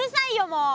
もう。